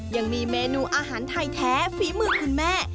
ยังมีเมนูอาหารไทยแท้ฝีมือคุณแม่